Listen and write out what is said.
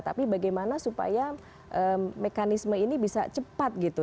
tapi bagaimana supaya mekanisme ini bisa cepat gitu